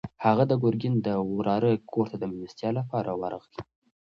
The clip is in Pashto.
هغه د ګرګین د وراره کور ته د مېلمستیا لپاره ورغی.